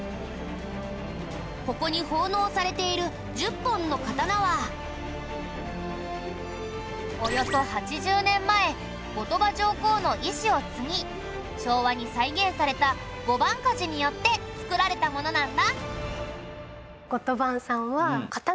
ここに奉納されている１０本の刀はおよそ８０年前後鳥羽上皇の遺志を継ぎ昭和に再現された御番鍛冶によって作られたものなんだ。